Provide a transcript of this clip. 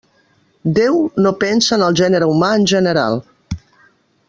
Déu no pensa en el gènere humà en general.